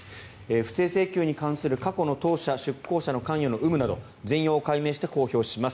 不正請求に関する過去の当社出向者の関与の有無など全容を解明して公表します